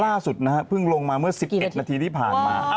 ล่าสุดนะฮะเพิ่งลงมาเมื่อ๑๑นาทีที่ผ่านมา